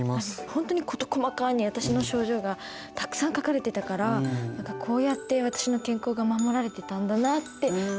ほんとに事細かに私の症状がたくさん書かれてたから何かこうやって私の健康が守られてたんだなって思いました。